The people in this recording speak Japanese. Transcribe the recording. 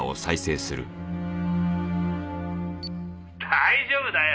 「大丈夫だよ。